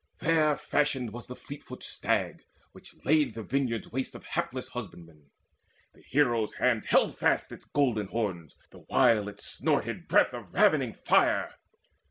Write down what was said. There fashioned was the fleetfoot stag which laid The vineyards waste of hapless husbandmen. The Hero's hands held fast its golden horns, The while it snorted breath of ravening fire.